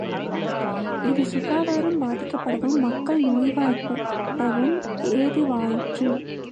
இது சுகாதாரம் பாதிக்கப்படவும் மக்கள் நோய்வாய்ப்படவும் ஏதுவாயிற்று.